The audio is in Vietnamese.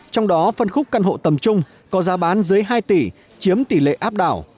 trong đó phân khúc căn hộ tầm trung có giá bán dưới hai tỷ chiếm tỷ lệ áp đảo